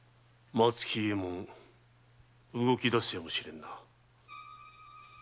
松木伊右衛門動き出すやもしれんな。